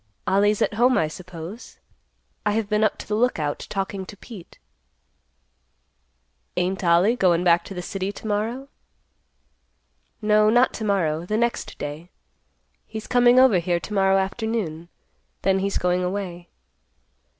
"Ollie's at home, I suppose. I have been up to the Lookout talking to Pete." "Ain't Ollie goin' back to the city to morrow?" "No, not to morrow; the next day. He's coming over here to morrow afternoon. Then he's going away."